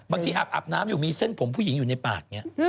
บางทีอาบน้ำอยู่มีเส้นผมผู้หญิงอยู่ในปากเนี่ย